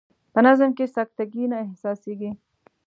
په نظم کې سکته ګي نه احساسیږي.